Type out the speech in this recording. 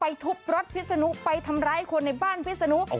ไปตุ๊บรัตนุรถพิษรนุไปทำร้ายคนในบ้านพิษรนุ